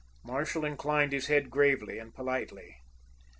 Marshall inclined his head gravely and politely.